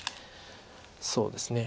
そうですね。